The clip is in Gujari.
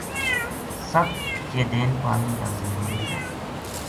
ست چیدین پانی کا ضرورت ہے‘‘